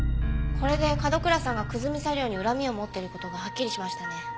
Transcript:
これで角倉さんが久住茶寮に恨みを持ってる事がはっきりしましたね。